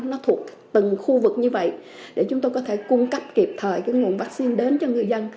nó thuộc từng khu vực như vậy để chúng tôi có thể cung cấp kịp thời cái nguồn vaccine đến cho người dân